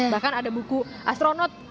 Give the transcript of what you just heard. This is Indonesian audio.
bahkan ada buku astronot